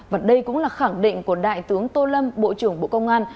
và đây cũng là khẳng định của đại tướng tô lâm bộ trưởng bộ công an